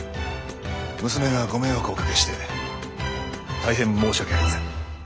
娘がご迷惑をおかけして大変申し訳ありません。